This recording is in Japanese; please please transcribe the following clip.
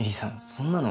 そんなの。